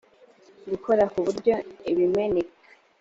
gukora ku buryo ibimeneka